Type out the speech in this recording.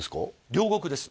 両国です